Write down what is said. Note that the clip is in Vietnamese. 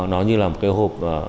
nó như là một cái hộp